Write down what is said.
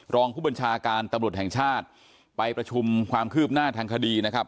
รองผู้บัญชาการตำรวจแห่งชาติไปประชุมความคืบหน้าทางคดีนะครับ